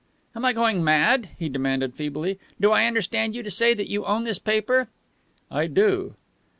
"Am I going mad?" he demanded feebly. "Do I understand you to say that you own this paper?" "I do."